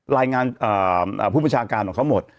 รายงานผู้ประชาการของเขาหมด